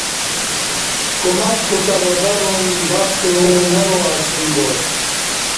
کمک کوتہ وگہ لوم بخت اوں نہ وا اسوم با